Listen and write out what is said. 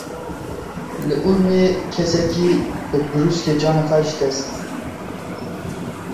Li Urmiyê kesekî bi brûskê canê xwe ji dest.